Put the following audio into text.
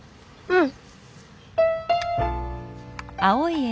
うん。